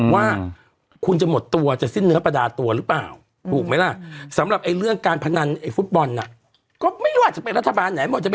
ว่าคุณจะหมดตัวจะสิ้นเนื้อประดาสตัวหรือเปล่า